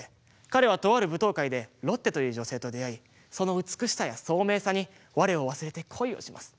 彼は、とある舞踏会でロッテという女性と出会いその美しさや、そうめいさに我を忘れて恋をします。